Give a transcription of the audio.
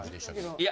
いや。